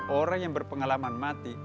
orang yang berpengalaman mati